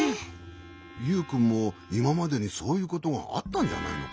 ユウくんもいままでにそういうことがあったんじゃないのかい？